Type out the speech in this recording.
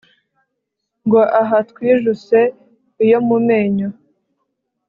Ngo aha twijuse iyo mu menyo